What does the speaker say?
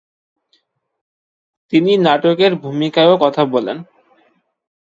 তিনি নাটকের ভূমিকায়ও কথা বলেন।